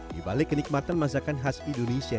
di balik kenikmatan masakan khas indonesia